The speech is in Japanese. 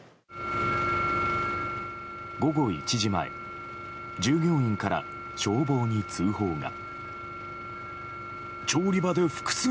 午後１時前従業員から消防に通報が。